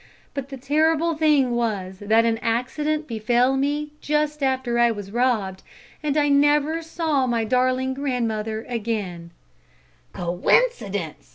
But the terrible thing was that an accident befell me just after I was robbed, and I never saw my darling grandmother again " "Coincidence!"